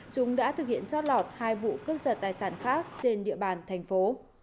chúng đã thực hiện trót lọt hai vụ cướp giật tài sản khác trên địa bàn thành phố